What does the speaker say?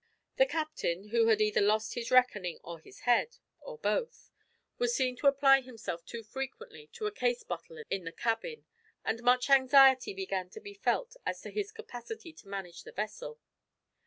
The captain, who had either lost his reckoning or his head, or both, was seen to apply himself too frequently to a case bottle in the cabin, and much anxiety began to be felt as to his capacity to manage the vessel.